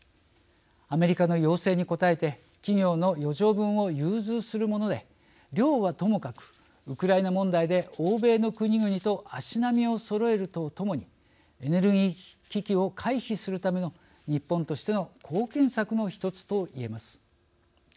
アメリカの要請にこたえて企業の余剰分を融通するもので量はともかくウクライナ問題で欧米の国々と足並みをそろえるとともにエネルギー危機を回避するための日本としての貢献策の一つといえます。